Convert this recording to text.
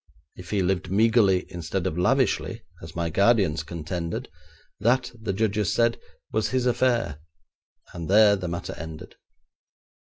If he lived meagrely instead of lavishly, as my guardians contended, that, the judges said, was his affair, and there the matter ended.